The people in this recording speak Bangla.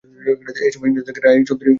এসময় ইংরেজদের থেকে রায় চৌধুরী উপাধি পান।